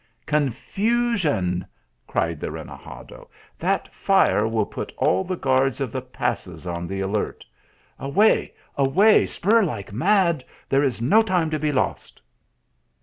" Confusion !" cried the renegado, " that fire will put all the guards of the passes on the alert. Away, away, spur like mad ; there is no time to be lost."